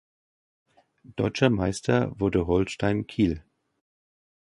Deutscher Meister wurde Holstein Kiel.